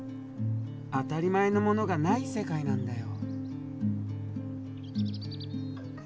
当たり前のものがない世界なんだよ。